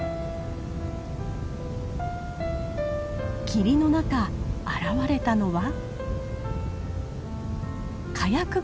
霧の中現れたのは？